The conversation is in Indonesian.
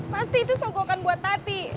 pasti itu sogokan buat tati